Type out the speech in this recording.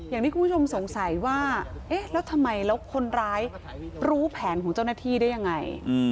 อย่างที่คุณผู้ชมสงสัยว่าเอ๊ะแล้วทำไมแล้วคนร้ายรู้แผนของเจ้าหน้าที่ได้ยังไง